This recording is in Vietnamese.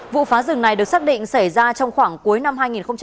vụ phá rừng này được xác định xảy ra trong khoảng cuối năm hai nghìn một mươi bảy